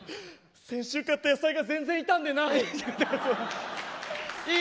先週買った野菜が全然、傷んでない。